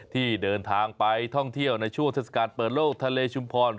ที่เดินทางไปท่องเที่ยวในช่วงเทศกาลเปิดโลกทะเลชุมพร